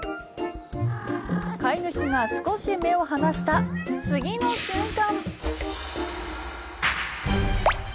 飼い主が少し目を離した次の瞬間。